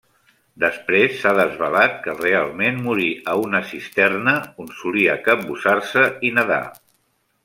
Després s'ha desvelat que realment morí a una cisterna on solia capbussar-se i nedar.